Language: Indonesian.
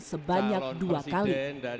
sebanyak dua kali